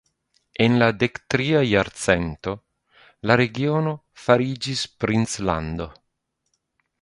En la dektria jarcento, la regiono fariĝis princlando.